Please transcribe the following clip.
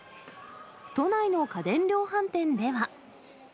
都内の家電量販店では。